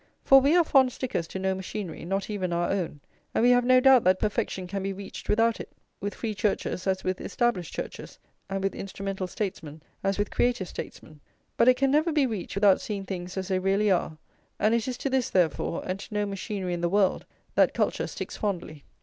For we are fond stickers to no machinery, not even our own; and we have no doubt that perfection can be reached without it, with free churches as with established churches, and with instrumental statesmen as with creative statesmen. But it can never be reached without seeing things as they really are; and it is to this, therefore, and to no machinery in the world, that culture sticks fondly.